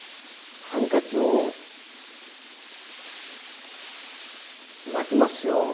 ハンカチを巻きますよ。